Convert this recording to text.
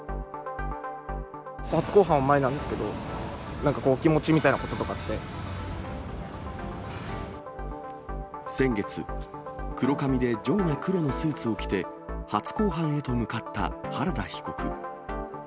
初公判前なんですけど、先月、黒髪で上下黒のスーツを着て、初公判へと向かった原田被告。